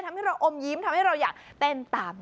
ทำให้เราอมยิ้มทำให้เราอยากเต้นตาม